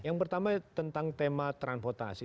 yang pertama tentang tema transportasi